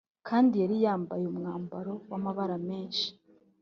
Kandi yari yambaye umwambaro w’amabara menshi